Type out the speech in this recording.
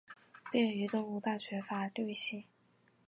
毕业于东吴大学法律系。